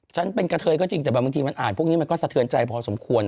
ฉันเป็นกะเทยก็จริงแต่บางทีมันอ่านพวกนี้มันก็สะเทือนใจพอสมควร